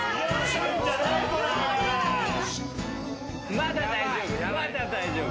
・まだ大丈夫。